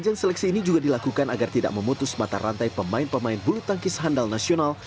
ajang seleksi ini juga dilakukan agar tidak memutus mata rantai pemain pemain bulu tangkis handal nasional